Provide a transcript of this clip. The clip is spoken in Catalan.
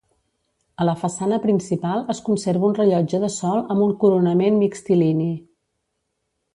A la façana principal es conserva un rellotge de sol amb un coronament mixtilini.